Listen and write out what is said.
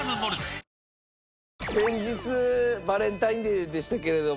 おおーーッ先日バレンタインデーでしたけれども。